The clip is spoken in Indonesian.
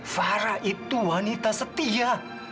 farah itu wanita setia